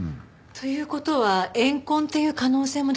という事は怨恨っていう可能性も出てくるわね。